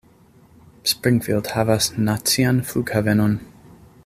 Springfield havas nacian flughavenon.